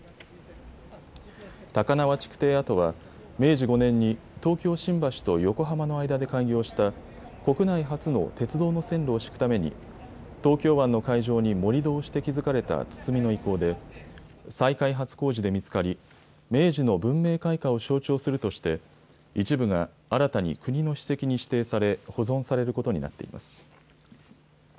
高輪築堤跡は、明治５年に東京・新橋と横浜の間で開業した、国内初の鉄道の線路を敷くために、東京湾の海上に盛り土をして築かれた堤の遺構で、再開発工事で見つかり、明治の文明開化を象徴するとして、一部が新たに国の史跡に指定され、保存されることになっています。